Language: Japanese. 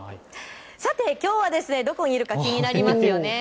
さて、きょうはどこにいるか気になりますよね。